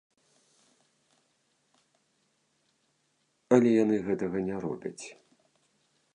Але яны гэтага не робяць.